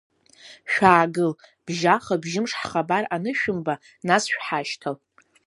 Шәаагыл, бжьаха-бжьымш ҳхабар анышәымба, нас шәҳашьҭал!